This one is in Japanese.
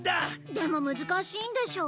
でも難しいんでしょ？